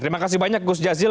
terima kasih banyak gus jazil